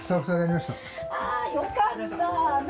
あぁよかった。